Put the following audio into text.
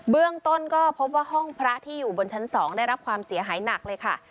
เรื่องต้นก็พบว่าห้องพระที่อยู่บนชั้น๒ได้รับความเสียหายหนักเลยค่ะ